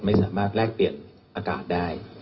ไม่สามารถแลกเปลี่ยนอากาศได้